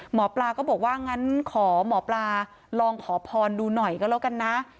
หมอปลาก็บอกว่างั้นขอหมอปลาลองขอพรดูหน่อยก็แล้วกันนะ